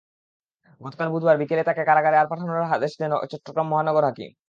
গতকাল বুধবার বিকেলে তাঁকে কারাগারে পাঠানোর আদেশ দেন চট্টগ্রাম মহানগর হাকিম।